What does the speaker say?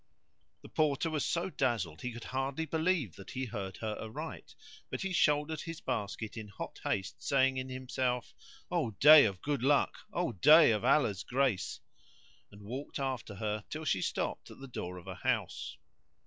The Porter was so dazzled he could hardly believe that he heard her aright, but he shouldered his basket in hot haste saying in himself, "O day of good luck! O day of Allah's grace!" and walked after her till she stopped at the door of a house.